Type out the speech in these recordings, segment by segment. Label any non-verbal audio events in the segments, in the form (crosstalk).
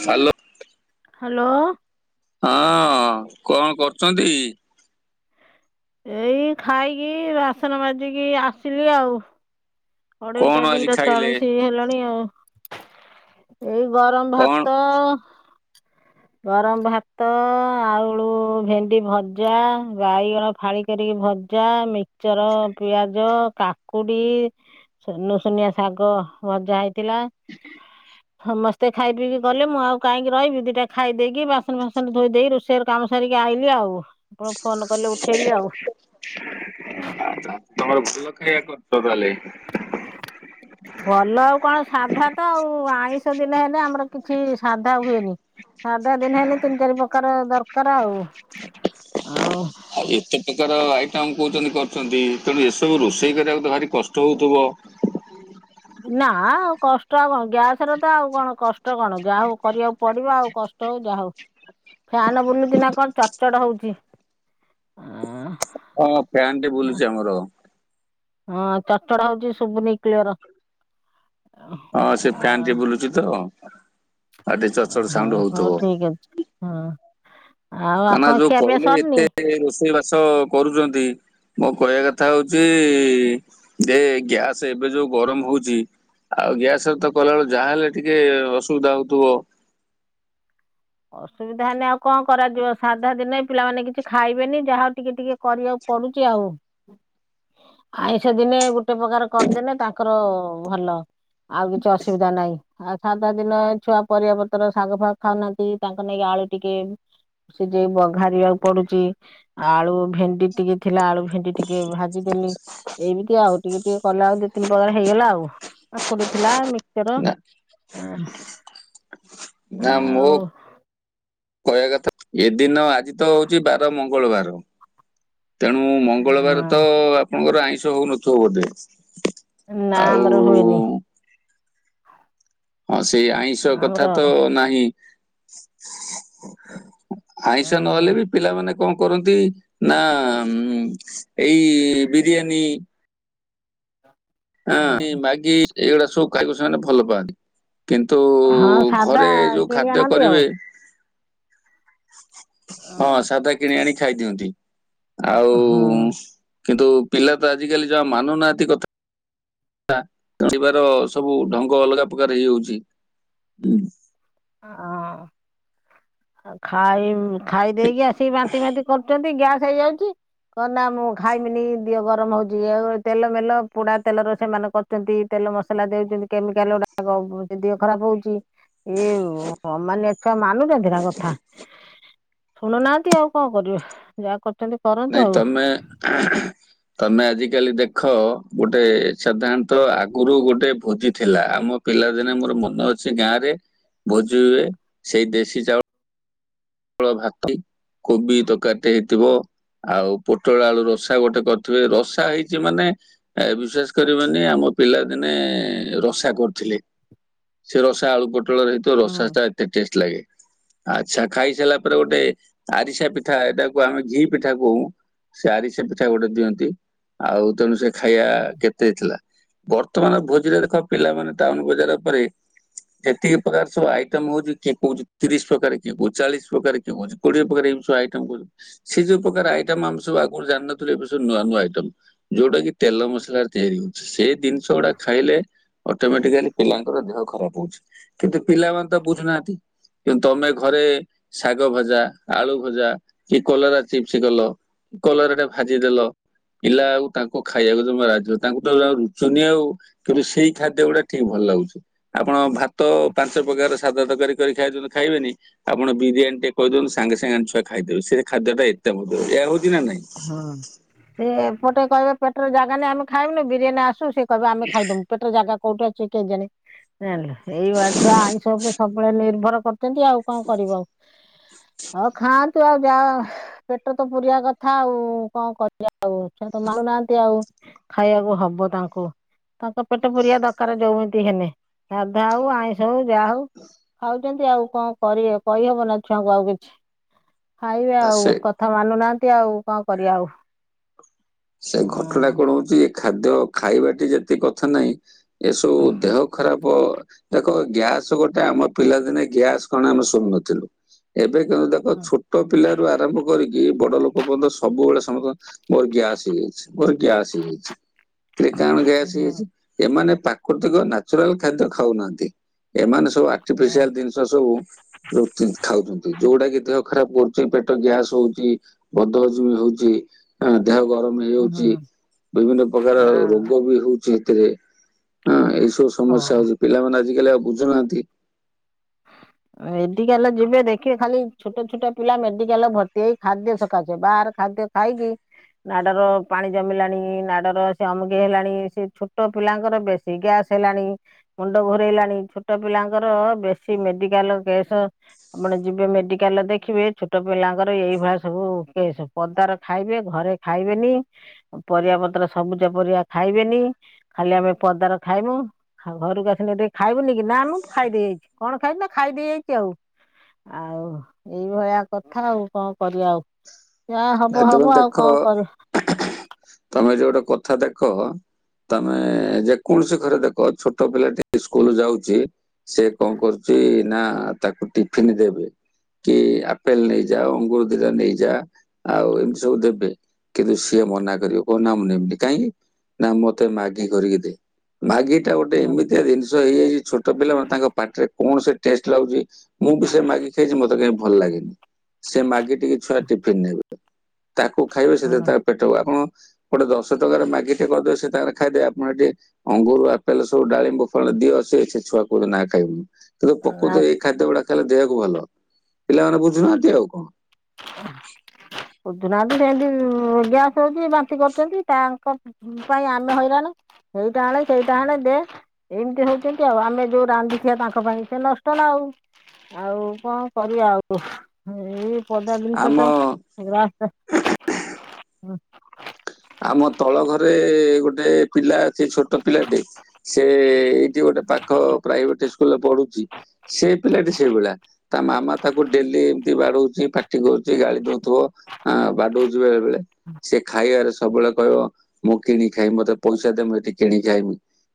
Hello. Hello. ହଁ କଣ କରୁଚନ୍ତି? ଏଇ ଖାଇକି ବାସନ ମାଜିକି ଆସିଲି ଆଉ। ଅଢେଇଟା କଣ ଆଜି ଦିଟା ଖାଇଲେ? ଚାଳିଶି ହେଲା ଣି ଆଉ ଏଇ ଗରମ କଣ ଭାତ ଗରମ ଭାତ, ଆଳୁ ଭେଣ୍ଡି ଭଜା, ବାଇଗଣ ଫାଳି କରିକି ଭ ଜା, ମିକଚର, ପିଆଜ, କାକୁଡି। ସୁନୁସୁନିଆ ଶାଗ ଭଜା ହେଇଥିଲା। ସମସ୍ତେ ଖାଇ ପିଇକି ଗଲେ ମୁଁ ଆଉ କାହିଁକି ରହିବି ଦିଟା ଖାଇ ଦେଇକି ବାସନ ଫାସନ ଧୋଇ ଦେଇ ରୋଷେ ଷେଇ ଘର କାମ ସାରିକି ଆଇଲି ଆଉ ଆପଣ ଫୋନ କଲେ ଉଠେଇଲି ଆଉ। ତମର ଭଲ ଖାଇବା କରିଚ ତାହେଲେ। ଭଲ ଆଉ କଣ ସାଧା ତ ଆଉ। ଆଇଁଷ ଦିନ ହେଲେ ଆମର କିଛି ସାଧା ହୁଏନି। ସାଧା ଦିନେ ହେଲେ ତିନି ଚାରି ପ୍ରକାର ଦରକାର ଆଉ। ଆଉ ଆଉ ଏତେ ପ୍ରକାର ଆଇଟମ୍ କହୁଛନ୍ତି କରିଛନ୍ତି ତେଣୁ ଏସବୁ ରୋଷେଇ କରିବାକୁ ତ ଭାରି କଷ୍ଟ ହଉଥିବ? ନା ଆଉ କଷ୍ଟ ଆଉ କଣ। ଗ୍ୟାସରେ ତ ଆଉ କଣ କଷ୍ଟ କଣ ଯାହା ହଉ କରିବାକୁ ପଡିବ ଆଉ। କ ଷ୍ଟ ହଉ ଯାହା ହଉ। ଫ୍ୟାନ ବୁଲୁଚି ନା କଣ ଚଡ଼ଚଡ ହଉଚି। ଆଁ। ହଁ ଫ୍ୟାନଟେ ବୁଲୁଚି ଆମର। ହଁ ଚଡଚଡ ହଉଚି ସୁବୁନି କ୍ଳିୟର। ହଁ ସେ ଫ୍ୟାନ ଟି ବୁଲୁଚି ତ ଆଉ ଟିକେ ଚଡ଼ଚଡ଼ ହଉ ସାଉଣ୍ଡ ହଉ ହଉଥିବ। ଠିକ ଅଛି ହଁ। ଆଉ କାନା ଆପଣଙ୍କ ଯୋଉ ଖିଆ ପିଆ କହିଲେ ସରିନି? ଏତେ ରୋଷେଇ ବାସ କରୁଚନ୍ତି ମୋ କହିବା କଥା ହଉଚି ଯେ ଗ୍ୟାସ ଏବେ ଯୋଉ ଗରମ ହଉଚି ଆଉ ଗ୍ୟାସରେ ତ କଲାବେଳେ ଯାହା ହେଲେ ଟିକେ ଅସୁବିଧା ହଉଥିବ? ଅସୁବିଧା ହେଲେ ଆଉ କଣ କରାଯିବ। ସାଧା ଦିନେ ପିଲାମାନେ କିଛି ଖାଇବେନି ଯାହା ହଉ ଟିକେ ଟିକେ କରିବାକୁ ପଡୁଚି ଆଉ। ଆଇଁଷ ଦିନେ ଗୋଟେ ପ୍ରକାର କରିଦେଲେ ତାଙ୍କର ଭଲ। ଆଉ କିଛି ଅସୁବିଧା ନାହିଁ। ଆଉ ସାଧା ଦିନେ ଛୁଆ ପରିବା ପତର ଶାଗ ଫାଗ ଖାଉନାହାନ୍ତି ତାଙ୍କ ନାଗି ଆଳୁ ଟିକେ ସିଜେଇ ବଘାରିବାକୁ ପଡୁଚି। ଆଳୁ ଭେଣ୍ଡି ଟିକେ ଥିଲା ଆଳୁ ଭେଣ୍ଡି ଟିକେ ଭାଜିଦେଲି। ଏଇମିତି ଆଉ। ଟିକେ ଟିକେ କଲେ ଆଉ ଦି ତିନି ପ୍ରକାର ହେଇଗଲା ଆଉ। କାକୁଡି ଥିଲା, ମିକ୍ ଚର ନା ଆ ନା ଆଉ ମୋ କହିବା କଥା ଏ ଦିନ ଆଜି ତ ହଉଚି ବାର ମଙ୍ଗଳବାର ତେଣୁ ମଙ୍ଗଳବାର ତ ଆପଣଙ୍କର ଆଇଁଷ ହଉନଥିବ ବୋଧେ? ନା ଆଉ ଆମର ହୁଏନି। ହଁ ସେଇ ଆଇଁଷ କଥା ଆମର ତ ନାହିଁ। ଆଇଁଷ ନହେଲେ ବି ପିଲାମାନେ କଣ କରନ୍ତି ନା ଏଇ ବିରିୟାନୀ ହଁ ମାଗି ଏଇଗୁଡା ସବୁ ଖାଇବାକୁ ସେମାନେ ଭଲ ପାଆନ୍ତି। କିନ୍ତୁ ହଁ ସାଧା ଘରେ ଯୋଉ କିଣି ଖାଦ୍ୟ ଆଣନ୍ତି ଆଉ। କରିବେ ହଁ ସାଧା କିଣି ଆଣି ଖାଇ ଦିଅନ୍ତି। ଆଉ ହଁ। କିନ୍ତୁ ପିଲା ତ ଆଜିକାଲି ଯାହା ମାନୁନାହାନ୍ତି କଥ ଯିବାର ସବୁ ଢଙ୍ଗ ଅଲଗା ପ୍ରକାର ହେଇଯାଉଚି। (unintelligible) ଆଉ ଖାଇ ଖାଇ ଦେଇକି ଆସିକି ବାନ୍ତି ଫାନ୍ତି କରୁଚନ୍ତି ଗ୍ୟାସ୍ ହେଇଯାଉଚି। କଣ ନା ମୁଁ ଖାଇବିନି ଦିହ ଗରମ ହଉଚି ତେଲ ମେଲ ପୋଡା ତେଲର ସେମାନେ କରୁ ଚନ୍ତି ତେଲ ମସଲା ଦେଉଚନ୍ତି କେମିକାଲ ଗୁଡାକ ଦେହ ଖରାପ ହଉଚି। ଇଏ ଅମାନିଆ ଛୁଆ ମାନୁଛନ୍ତି ନା କଥା। ଶୁଣୁନାହାନ୍ତି ଆଉ କଣ କରିବେ, ଯାହା କରୁଚନ୍ତି ନାଇଁ ତମେ (unintelligible) ତମେ ଆଜିକାଲି ଦେଖ ଗୋଟେ ସାଧାରଣତଃ ଆଗରୁ ଗୋଟେ ଭୋଜି ଥିଲା। ଆମ ପିଲାଦିନେ ମୋର ମନ ଅଛି ଗାଁ ରେ, ଭୋଜି ହୁଏ ସେଇ ଦେଶୀ ଚାଉଳ ଳ ଭାତ କୋବି ତରକାରୀ ହେଇ ଥିବ, ଆଉ ପୋଟଳ ଆଳୁ ରସା ଗୋଟେ କରିଥିବେ। ରସା ହେଇଚି ମାନେ ଏ ବିଶ୍ୱାସ କରି ବେନି ଆମ ପିଲାଦିନେ ରସା କରୁଥିଲେ। ସେ ରସା ଆଳୁ ପୋଟଳରେ ହେ ହୁଁ। ରସାଟା ଏତେ ଟେଷ୍ଟ ଲାଗେ। ଆଚ୍ଛା ଖାଇସାରିଲା ପରେ ଗୋଟେ ଆରିସା ପି ପିଠା ଏଟାକୁ ଆମେ ଘି ପିଠା କହୁ। ସେ ଆରିସା ପିଠା ଗୋଟେ ଦିଅନ୍ତି। ଆଉ ତେଣୁ ସେ ଖାଇବା କେତେ ଥିଲା। ବର୍ତ୍ତମାନ ଭୋଜିରେ ଦେଖ ପିଲାମାନେ ଟାଉନ୍ ବଜାର ଉପରେ ଯେତିକି ପ୍ରକାର ସବୁ ଆଇଟମ ହୋଉଚି କିଏ କୋହୁଚି ତିରିଶ ପ୍ରକାର କିଏ କୋହୁ ଚାଳିଶ ପ୍ରକାର କେ କହୁଛି କୋଡିଏ ପ୍ରକାର ଏବୁ ଆଇ କହୁଚି। ସେ ଯୋଉ ପ୍ରକାର ଆଇଟମ ଆମ ସବୁ ଆଗରୁ ଜାଣିନଥିଲେ, ଏବେ ସବୁ ନୂଆ ନୂଆ ଆଇଟମ, ଯୋଉଟା କି ତେଲ ମସଲାରେ ତିଆରି ହୁଏ। ସେଇ ଜିନିଷ ଗୁଡା ଖାଇଲେ ଅଟୋମେଟିକାଲି ପିଲାଙ୍କର ଦେହ ଖରାପ ହବ। କିନ୍ତୁ ପିଲାମାନେ ତ ବୁଝୁନାହାନ୍ତି, କିନ୍ତୁ ତମେ ଘରେ ଶାଗ ଭଜା ଆଳୁ ଭଜା କି କଲରା ଚିପ୍ସ କଲ କଲରା ଟା ଭାଜିଦେଲ। ପିଲା ଆଉ ତାଙ୍କ ଖାଇବାକୁ ଯମା ରାଜି ତାଙ୍କୁ (unintelligible) ରୁଚନୀୟ ଆଉ କିନ୍ତୁ ସେଇ ଖାଦ୍ୟ ଗୁଡାକ ଠିକ ଭଲ ଲାଗୁଚି। ଆପଣ ଭାତ ପାଞ୍ଚ ପ୍ରକାର ସାଧା ତରକାରୀ କରି ଖାଇଛନ୍ତି ଖାଇବେନି? ଆପଣ ବିରିୟାନୀ ଟେ କହିଦିଅନ୍ତୁ ସାଙ୍ଗେ ସାଙ୍ଗ ଛୁଆ ଖାଇଦେବେ ସେ ଖାଦ୍ୟ ଟା ଏତେ ମଧ୍ୟ ଏହା ହୋଉଚି ନା ନାଇଁ? ହଁ ସେ ଏପଟେ କହିବେ ପେଟରେ ଜାଗା ନାହିଁ ଆମେ ଖାଇବୁନୁ, ବିରିୟାନୀ ଆସୁ ସେ କହିବେ ଆମେ ଖାଇଦୋବୁ। ପେଟରେ ଜାଗା କୋଉଠୁ ଅଛି କେଜାଣି (unintelligible) ଏଇଭ (unintelligible) ଆଇଁ ସବୁ ସବୁବେଳେ ନିର୍ଭର କର। କେମତି ଆଉ କଣ କରିବ ଆଉ ଆଉ ଖାଆନ୍ତୁ ଆଉ ଯାହା ପେଟ ତ ପୁରିବା କ ଆଉ କଣ କରୁଚ ଆଉ ତ ମାରୁନାହାନ୍ତି ଆଉ ଖାଇବାକୁ ହବ ତାଙ୍କୁ ତାଙ୍କ ପେଟ ପୁରିବା ଦରକାର ଯୋଉମିତି ହେଲେ ସାଧା ହୋଉ ଆଇଁଷ ହଉ ଯାହା ହଉ ଖାଉ ଆଉ କଣ କରିବେ କହିହବ ନା ଛୁଆଙ୍କୁ ଆଉ କିଛି, ଖାଇବେ ଆ ଆଉ ସେ କଥା ମାନୁନାହାନ୍ତି। (unintelligible) ଆଉ କଣ କରିବା ଆଉ। ସେ ଘଟଣା କଣ ହଉଚି ଏ ଖାଦ୍ୟ ଖାଇବାଟି ଯେତକି କଥା ନାହିଁ। ଏସବୁ ଦେହ ଖରାପ ଦେଖ ଗ୍ୟାସ ଗୋଟେ ଆମ ପିଲାଦିନେ ଗ୍ୟାସ କଣ ଆମେ ଶୁଣୁନଥିଲୁ, ଏବେ କିନ୍ତୁ ଦେଖ ଛୋଟ ପିଲାରୁ ଆରମ୍ଭ କରିକି ବଡ ଲୋକ ପର୍ଯ୍ୟନ୍ତ ସବୁବେଳେ ସମସ୍ତେ ମୋର ଗ୍ୟାସ। ହେଇଯାଇଛି ମୋର ଗ୍ୟାସ ହେଇଯାଇଛି, କିରେ କାଣା ଗ୍ୟାସ ହେଇଯାଇଛି? ଏମାନେ ପ୍ରାକୃତିକ ନାଚୁରାଲ ଖାଦ୍ୟ ଖାଉନାହାନ୍ତି, ଏମାନେ ସବୁ ହଁ ଆର୍ଟିଫିସିଆଲ ଜିନି ଶ ସବୁ ଯଉ ଜି ଖାଉଛନ୍ତି ଯୋଉଡା କି ଦେହ ଖରାପ କରୁଚି ପେଟ ଗ୍ୟାସ ହୋଉଚି। ବଦ ହଜମି ହୋଉଚି ଆଁ ଦେହ ଗର ମ ହେଇଯାଉଛି ହଁ ବିଭିନ୍ନ ପ୍ରକାର ରୋଗ ବି ହୋଉଚି ଏଥିରେ ଆଁ ଏଇ ସବୁ ସମସ୍ୟା ହଁ। ହଉଛି ପିଲାମାନେ ଆଜିକାଲି ଆଉ ବୁଝୁନାହାନ୍ତି। ମେଡିକାଲରେ ଯିବେ ଦେଖିବେ ଖାଲି ଛୋଟ ଛୋଟ ପିଲା ମେଡିକାଲରେ ଭର୍ତି, ହେଇ ଖାଦ୍ୟ ସକାସେ ବା ଖାଦ୍ୟ ଖାଇକି। ନାଡର ପାଣି ଜମିଲାଣି, ନାଡର ସେ ଅମକେଇ ହେଲାଣି, ସେ ଛୋଟ ପିଲାଙ୍କର ବେ ଇ ଗ୍ୟାସ ହେଲାଣି ମୁଣ୍ଡ ଘୁରେଇଲାଣି ଛୋଟ ପିଲାଙ୍କର ବେଶୀ ମେଡି କାଲ କେଶ ଆପଣ ଯିବେ ମେଡିକାଲରେ ଦେଖିବେ ଛୋଟ ପିଲାଙ୍କର ଏଇଭଳିଆ ସବୁ କେଶ। ପଦାର ଖାଇବେ, ଘରେ ଖାଇବେନି, ପରିବା ପତ୍ର ସବୁଜ ପରିବା ଖାଇବେନି। ଖାଲି ଆମେ ପଦାର ଖାଇମୁ ଘରକୁ ଆସିନେ ଆରେ ଖାଇବୁନି କି ନା ମୁଁ ଖାଇ ଦେଇଯାଇଚି, କଣ ଖାଇନୁ ନା ଖାଇଦେଇ ଆଇଚି, ଆଉ ଆଉ ଏଇଭଳିଆ କଥା, ଆଉ କଣ କରିବା ଆଉ? ଯା ଭାଇ ହବ ତମେ ହବ ଆଉ ଦେଖ କଣ କର ତମେ ଯୋଉ ଗୋଟେ କଥା ଦେଖ ତମେ ଯେକୌଣସି ଘରେ ଦେଖ ଛୋଟ ପିଲା ଟି ସ୍କୁଲ ଯାଉଚି। ସେ କଣ କରୁଛି ନା ତାକୁ ଟିଫିନ ଦେବେ। କି ଆପେଲ ନେଇଯା ଅଙ୍ଗୁର ଦିଟା ନେଇଯା। ଆଉ ଏମିତି ସବୁ ଦେବେ, କିନ୍ତୁ ସିଏ ମନା କରିବ, କଣ ନା ମୁ ନେବିନି କାହିଁକି ନା ମତେ ମାଗି କରିକି ଦେ ମାଗି ଟା ଗୋଟେ ଏମିତିଆ ଜିନି ଶ ହେଇଯାଇଚି ଛୋଟ ପିଲା ମାନେ ତାଙ୍କ ପାଟିରେ କଣ ସେ ଟେଷ୍ଟ ଲାଗୁଛି। ମୁଁ ବି ସେ ମାଗି ଖାଇଛି ମତେ କାହି ଭଲ ଲାଗେନି, ସେ ମାଗି ଟି କି ଛୁଆ ଟିଫିନ ନେବେ। ତାକୁ ଖାଇବେ ସେ ତ ହଁ ତାର ପେଟ ଆପଣ ଗୋଟେ ଦଶ ଟଙ୍କାରେ ମାଗି ଟେ କରିଦେବେ ସେ ତାଙ୍କ ଖାଇଦେବେ ଆପଣ ଏ ଟିକେ ଅଙ୍ଗୁର ଆପେଲ ସବୁ ଡାଳିମ୍ବ ଫଳ ଦିଅ ସେ ଛେ ଛୁଆ କହୁଛନ୍ତି ନା ଖାଇବୁନି। କିନ୍ତୁ ଆଉ ପ୍ରକୃତ ଏଇ ଖାଦ୍ୟ ଗୁଡା ଖାଇଲେ ଦେହକୁ ଭଲ, ପିଲାମାନେ ବୁଝୁନାହାନ୍ତି ଆଉ କଣ? (unintelligible) ବୁଝୁନାହାନ୍ତି ସେମିତି ଗ୍ୟାସ୍ ହଉଛି ବାନ୍ତି କରୁଛନ୍ତି ତାଙ୍କ ପାଇଁ ଆମେ ହଇରାଣି ହେଇଟା ଆଣେ ସେଇଟା ଆଣେ ଦେ। ଏମିତି ହଉଛନ୍ତି ଆଉ ଆମେ ଯୋଉ ରାନ୍ଧିଥିବା ତାଙ୍କ ପାଇଁ ସେ ନଷ୍ଟ ନା ଆଉ। ଆଉ କଣ କରିବା ଆଉ ଏଇ ପଦା ଜିନିଷ ତ ଆମ ଗା ହଁ। ଆମ ତଳ ଘରେ ଗୋଟେ ପିଲା ଅଛି ଛୋଟ ପିଲାଟେ। ସେ ଏଇଠି ଗୋଟେ ପାଖ ପ୍ରାଇଭେଟ ଇ ସ୍କୁଲରେ ପଢୁଛି ସେ ପିଲାଟି ସେଇଭଳିଆ। ତା ମାମା ତାକୁ ଡେଲି ଏମିତି ବାଡଉଛି ପାଟି କରୁଛି ଗାଳି ଦଉଥିବ। ହଁ ବାଡଉଛି ବେଳେ ବେଳେ। ସେ ଖାଇବାରେ ସବୁବେଳେ କହିବ ମୁଁ କିଣି ଖାଇମି ମୋତେ ପଇସା ଦେ ହେଠି କିଣିକି ଖାଇମି।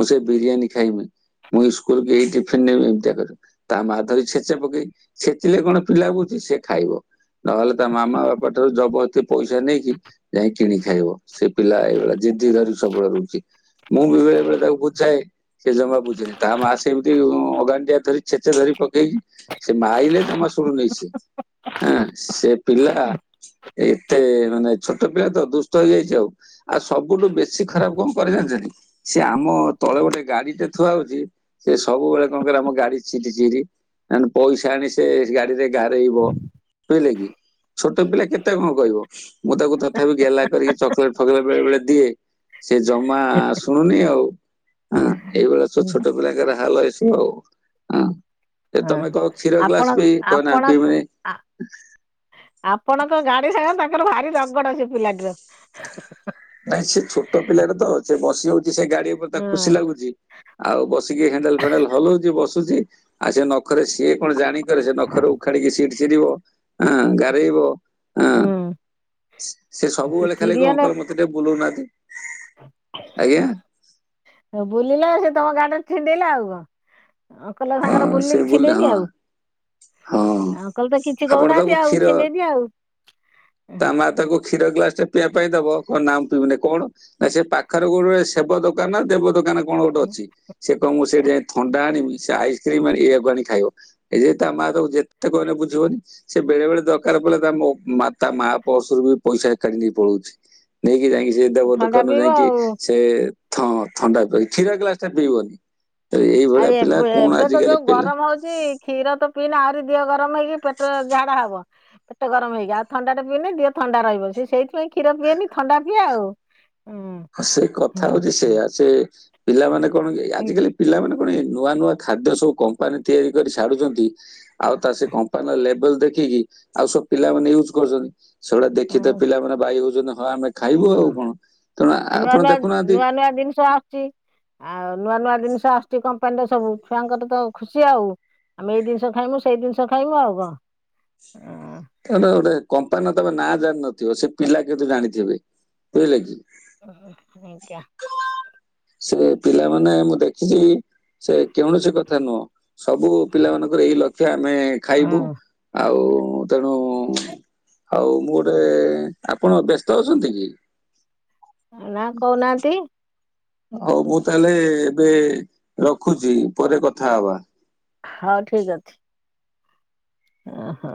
ମୁଁ ସେ ବିରିୟାନୀ ଖାଇମି ମୁଁ ଇ ସ୍କୁଲ କୁ ଏଇ ଟିଫିନ ନେମି ଏମିତିଆ କରି ତା ମା ଧରି ଛେଚେ ପକେଇ ଛେଚିଲେ କଣ ପିଲା କହୁଛି ସେ ଖାଇବ। ନହେଲେ ତା ମାମା ବାପା ଠାରୁ ଜବରଦସ୍ତି ପଇସା ନେଇକି ଯାଇକି କିଣି ଖାଇବ ସେ ପିଲା ଏଇଭଳିଆ ଜିଦି ଧରି ସବୁବେଳେ ରହୁଚି। ମୁଁ ବି ବେଳେ ବେଳେ ତାକୁ ବୁଝାଏ। ସେ ଜମା ବୁଝୁନି ତା ମା ସେମିତି ଅଗାଣ୍ଡିଆ ଧରି ଛେଚେ ଧରି ପକେଇକି। ସେ ମାଇଲେ ଜମା ଶୁଣୁନାଇ ସେ। ଆଁ ସେ ପିଲା ଏତେ ମାନେ ଛୋଟ ପିଲା ତ ଦୁଷ୍ଟ ହେଇଯାଇଛି ଆଉ। ଆଉ ସବୁଠୁ ବେଶୀ ଖରାପ କଣ କରେ ଜାଣିଛନ୍ତି ସେ ଆମ ତଳେ ଗୋଟେ ଗାଡି ଟେ ଥୁଆ ହଉଛି। ସେ ସବୁବେଳେ କଣ କରେ ଆମ ଗାଡି ସିଟି ଚିରି। ନହେନେ ପଇସା ଆଣି ସେ ଗାଡିରେ ଗାରେଇବ। ବୁଝିଲେ କି ଛୋଟ ପିଲା କେତେ କଣ କହିବ। ମୁଁ ତାକୁ ତଥାପି ଗେଲା କରିକି ଚକୋଲେଟ୍ ଫକଲେଟ ବେଳେ ବଳେ ଦିଏ ସେ ଜମା ଶୁଣୁନି ଆଉ ହଁ ଏଇଭଳିଆ ସବୁ ଛୋଟ ପିଲାଙ୍କର ହାଲ ଏସବୁ ଆଉ ହଁ ଏ ହଁ ତମେ କ କ୍ଷୀର ଆପଣ ଗ୍ଲାସ ପିଇ କହନା ଆପଣ ପିଇବନି ଆ ଆପଣଙ୍କ ଗାଡି ସାଙ୍ଗ ତାଙ୍କର ଭାରି ରଗଡ ସେ ପିଲାଟିର ନାଇଁ ସେ ଛୋଟ ପିଲାରେ ତ ସେ ବସି ଯାଉଛି ସେ ଗାଡି ଉପରେ ତା ହଁ ଖୁସି ଲାଗୁଛି ଆଉ ବସିକି ହଣ୍ଡାଲ ଫେଣ୍ଡାଲ ହଲଉଛି ବସୁଛି ଆଉ ସେ ନଖରେ ସିଏ କଣ ଜାଣି କରେ ସେ ନଖରେ ଉଖାଡିକି ସିଟ ଚିରିବ ହଁ ଗାରେଇବ ହଁ ଉଁ। ସେ ସବୁବେଳେ ଖାଲି ଅଙ୍କଲ ମୋତେ ଟିକେ ବୁଲଉନାହାନ୍ତି ଆଜ୍ଞା ହଉ ବୁଲିଲା ସେ ତମ ଗାଡିରେ ଛିଣ୍ଡେଇଲା ଆଉ କଣ ଅଙ୍କଲ ହଁ ସାଙ୍ଗର ସେ ବୁଲିକି ବୁଲେ ହଁ ଛିଣ୍ଡେନି ଆଉ ହଁ ଅଙ୍କଲ ତ କିଛି ଆପଣ କହୁନାହାନ୍ତି ତାକୁ ଆଉ କ୍ଷୀର ଛିଣ୍ଡେଇନି ଆଉ। ତା ମା ତାକୁ କ୍ଷୀର ଗ୍ଲାସ ଟା ପିଇବା ପାଇଁ ଦବ କଣ ନାଁ ପିଇବିନି କଣ ନା ସେ ପାଖରେ ଗୋଟେେ ସେବ ଦୋକାନ ନା ଦେବ ଦୋକାନ କଣ ଗୋଟେ ଅଛି ସେ କହିମ ମୁଁ ସେ ଯାଇ ଥଣ୍ଡା ଆଣିବି ସେ ଆଇସ୍କ୍ରିମ ଆ ଇକୁ ଆଣି ଖାଇବ ଏଇ ଯେ ତା ମା ତାକୁ ଯେତେ କହିଲେ ବୁଝିବନି ସେ ବେଳେ ବେଳେ ଦରକାର ପଡ଼ିଲ ତା ମୋ ମା ତା ମା ପର୍ସରୁ ବି ପଇସା କାଢ଼ି ନେଇ ପଳଉଛି ନେଇକି ଯାଇକି ସେ ଦେବ ଥଣ୍ଡା ଦୋକାନରୁ ପିଇବ ଯାଇକି ଆଉ। ସେ ଥଣ୍ଡା ପି କ୍ଷୀର ଗ୍ଲାସ ଟା ପିଇବନି ଆ ଆଉ ଏଇଭଳିଆ ପିଲା ଏବେ କଣ ଏବେ ଆ- ଯୋଉ ଗରମ ହଉଛି କ୍ଷୀର ତ ପିଇଲେ ଆହୁରି ଦେହ ଗରମ ହେଇକି ପେଟ ଝାଡା ହବ ପେଟ ଗରମ ହେଇକି ଆଉ ଥଣ୍ଡା ପିଏନି ଦିଏ ଥଣ୍ଡା ରହିବ ସେ ସେଇଥି ପାଇଁ କ୍ଷୀର ପିଏନି ଥଣ୍ଡା ପିଏ ଆଉ ହୁଁ ହ ସେ କଥା ହୁଁ। ହଉଛି ସେଇୟା ସେ ପିଲାମାନେ କଣ କି ଆଜିକାଲି ପିଲାମାନେ ଆପଣ ନୂଆ ନୂଆ ଖାଦ୍ୟ ସବୁ କମ୍ପାନୀ ତିଆରି କରି ଛାଡୁଛନ୍ତି ଆଉ ତା ସେ କମ୍ପାନୀର ଲେବଲ ଦେଖିକି ଆଉ ସବୁ ପିଲାମାନେ ୟୁଜ୍ କରୁଛନ୍ତି ସେଗୁଡା ଦେଖି ତେ ପିଲାମାନେ ବାଇ ହଉଛନ୍ତି ହଁ ଆମେ ଖାଇବୁ ଆଉ କଣ ତେଣୁ ଆପଣ ପିଲାମାନେ ଆ, ନୂଆ ଦେଖୁନାହାନ୍ତି ନୂଆ ନୂଆ ନୂଆ ଦିନିଷ ଆସୁଚି। ଆଉ ନୂଆ ନୂଆ ଦିନିଷ ଆସୁଛି କମ୍ପାନୀର ସବୁ ଛୁଆଙ୍କର ଟିକେ ଖୁସି ଆଉ। ଆମେ ଏଇ ଜିନିଷ ଖାଇମୁ ସେଇ ଦିନିଷ ଖାଇମୁ ଆଉ କଣ। ତା ନାଁ ଗୋଟେ କମ୍ପାନର ତୋମେ ନାଁ ଜାଣିିନଥିବ ସେ ପିଲା କିନ୍ତୁ ଜାଣିଥିବେ। ବୁଝିଲେ କି? ଓହୋ, ହଁ କିଆ ସେ ପିଲାମାନେ ମୁଁ ଦେଖିଛି ସେ କୌଣସି କଥା ନୁହଁ। ସବୁ ପିଲା ମାନଙ୍କର ଏଇ ଲକ୍ଷ୍ୟ ଆମେ ଖାଇବୁ। ଆଉ ତେଣୁ ଆଉ ମୁଁ ଗୋଟେ, ଆପଣ ବ୍ୟସ୍ତ ଅଛନ୍ତି କି? ନା କଉନାହାନ୍ତି। ହଉ ମୁଁ ତାହେଲେ ଏବେ ରଖୁଛି ପରେ କଥା ହବା। ହଁ ଠିକ ଅଛି। ଓହୋ।